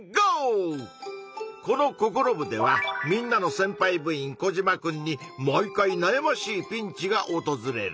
このココロ部ではみんなのせんぱい部員コジマくんに毎回なやましいピンチがおとずれる。